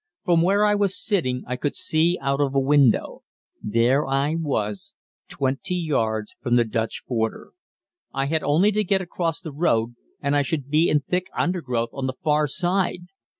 From where I was sitting I could see out of a window. There I was 20 yards from the Dutch border. I had only to get across the road and I should be in thick undergrowth on the far side.